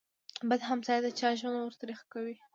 بد همسایه د چا ژوند ور تريخ کوي.